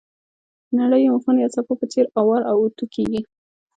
د نریو مخونو یا صفحو په څېر اوار او اوتو کېږي.